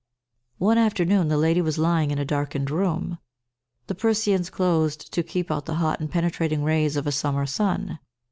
One afternoon, the lady was lying in a darkened room, the persiennes closed to keep out the hot and penetrating rays of a summer sun.